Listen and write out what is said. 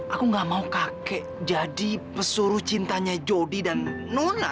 aku gak mau kakek jadi pesuruh cintanya jody dan nona